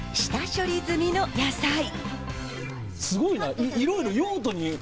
下処理済みの野菜。